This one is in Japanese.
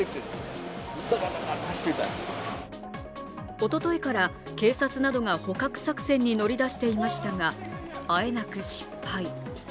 おとといから警察などが捕獲作戦に乗り出していましたが、あえなく失敗。